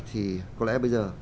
thì có lẽ bây giờ